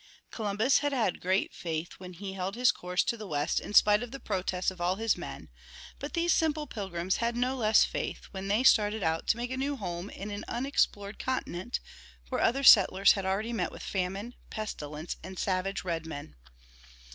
Columbus had had great faith when he held his course to the west in spite of the protests of all his men, but these simple Pilgrims had no less faith when they started out to make a new home in an unexplored continent where other settlers had already met with famine, pestilence, and savage redmen.